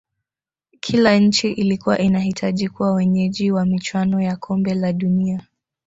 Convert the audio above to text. Kila nchi ilikuwa inahitaji kuwa wenyeji wa michuano ya kombe la dunia